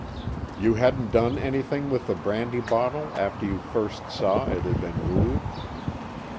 "You hadn't done anything with the brandy bottle after you first saw it had been moved?"